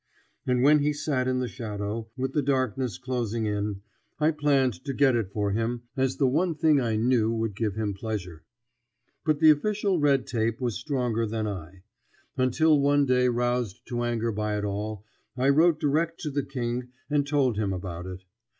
And when he sat in the shadow, with the darkness closing in, I planned to get it for him as the one thing I knew would give him pleasure. But the official red tape was stronger than I; until one day, roused to anger by it all, I wrote direct to the King and told him about it.